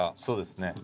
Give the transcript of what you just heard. そうですね。